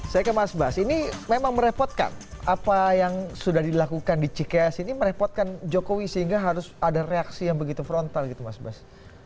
saya ke mas bas ini memang merepotkan apa yang sudah dilakukan di cks ini merepotkan jokowi sehingga harus ada reaksi yang begitu frontal gitu mas bas